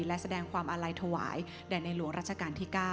และแสดงความอาลัยถวายแด่ในหลวงราชการที่๙